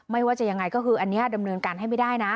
ว่าจะยังไงก็คืออันนี้ดำเนินการให้ไม่ได้นะ